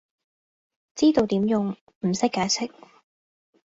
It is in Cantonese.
知道點用，唔識解釋